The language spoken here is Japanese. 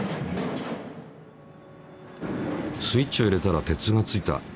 スイッチを入れたら鉄がついた。